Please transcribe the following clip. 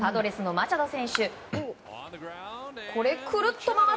マチャド選手